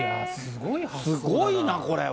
すごいな、これは。